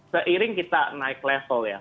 seiring kita naik level ya